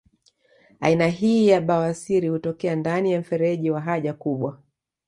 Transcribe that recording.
Aina hii ya bawasiri hutokea ndani ya mfereji wa haja kubwa